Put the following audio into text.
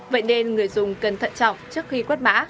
vậy nên người dùng cần thận trọng trước khi quất mã